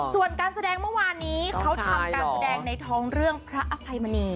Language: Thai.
ส่วนการแสดงเมื่อวานนี้เขาทำการแสดงในท้องเรื่องพระอภัยมณี